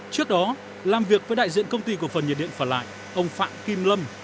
trước đó làm việc với đại diện công ty của phần nhiệt điện phở lại ông phạm kim lâm